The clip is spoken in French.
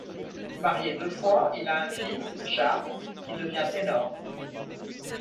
Marié deux fois, il a un fils, Charles, qui devient ténor.